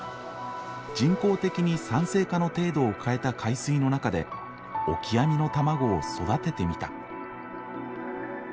人工的に酸性化の程度を変えた海水の中でオキアミの卵を育ててみた。